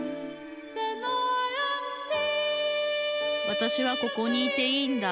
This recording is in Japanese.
わたしはここにいていいんだ